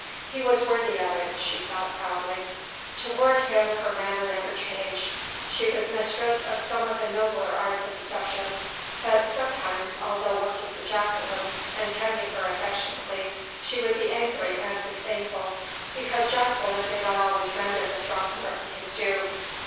He was worthy of it, she thought, proudly. Toward him her manner never changed she was mistress of some of the nobler arts of deception but sometimes, although working for Jacqueline, and tending her affectionately, she would be angry and disdainful because Jacqueline did not always render to Throckmorton his due.